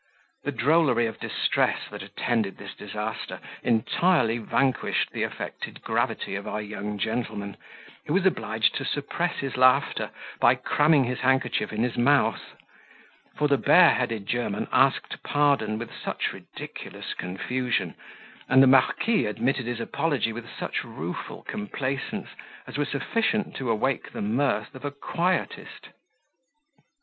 The drollery of distress that attended this disaster entirely vanquished the affected gravity of our young gentleman, who was obliged to suppress his laughter by cramming his handkerchief in his mouth; for the bare headed German asked pardon with such ridiculous confusion, and the marquis admitted his apology with such rueful complaisance, as were sufficient to awake the mirth of a quietist.